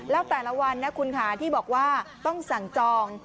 แล้วแต่ละวันนะคุณค่ะที่บอกว่าต้องสั่งจอง